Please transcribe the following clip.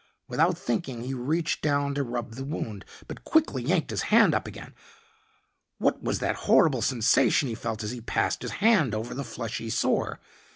Without thinking he reached down to rub the wound, but quickly yanked his hand up again. What was that horrible sensation he felt as he passed his hand over the fleshy sore?